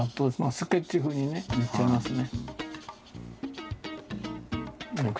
スケッチ風にね塗っちゃいますね。